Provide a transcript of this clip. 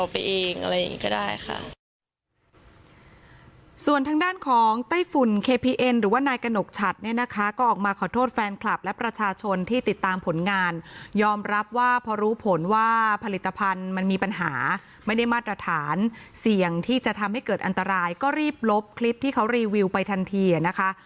ส่วนทางด้านของไต้ฝุ่นเคพีเอ็นหรือว่านายกระหนกฉัดเนี่ยนะคะก็ออกมาขอโทษแฟนคลับและประชาชนที่ติดตามผลงานยอมรับว่าพอรู้ผลว่าผลิตภัณฑ์มันมีปัญหาไม่ได้มาตรฐานเสี่ยงที่จะทำให้เกิดอันตรายก็รีบลบคลิปที่เขารีวิวไปทันทีนะคะ